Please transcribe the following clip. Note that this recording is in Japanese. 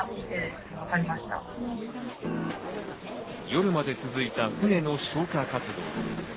夜まで続いた船の消火活動。